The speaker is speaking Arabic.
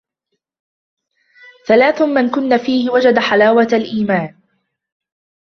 ثَلَاثٌ مَنْ كُنَّ فِيهِ وَجَدَ حَلَاوَةَ الْإِيمَانِ.